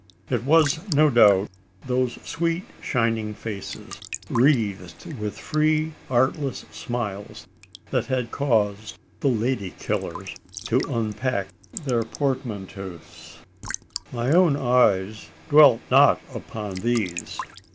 It was, no doubt, those sweet shining faces, wreathed with free artless smiles, that had caused the lady killers to unpack their portmanteaus. My own eyes dwelt not upon these.